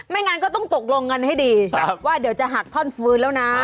งั้นก็ต้องตกลงกันให้ดีว่าเดี๋ยวจะหักท่อนฟื้นแล้วนะ